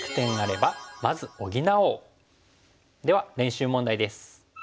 では練習問題です。